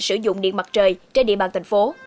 sử dụng điện mặt trời trên địa bàn thành phố